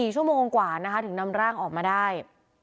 ๔ชั่วโมงกว่านะคะถึงนำร่างออกมาได้